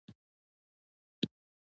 د ميرويس خان سترګې رډې راوختې.